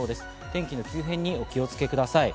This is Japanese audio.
天気の急変にお気をつけください。